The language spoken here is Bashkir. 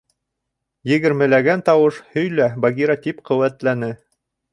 Егермеләгән тауыш: «һөйлә, Багира», — тип ҡеүәтләне.